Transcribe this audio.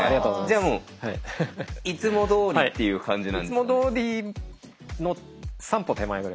じゃもういつもどおりっていう感じ？